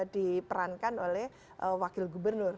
diperankan oleh wakil gubernur